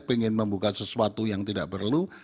ingin membuka sesuatu yang tidak perlu